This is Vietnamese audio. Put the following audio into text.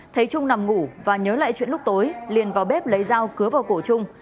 thấy trung nằm ngủ và nhớ lại chuyện lúc tối liền vào bếp lấy dao cứa vào cổ trung